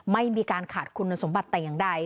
ไม่มีการขาดคุณสมบัติแต่อย่างใด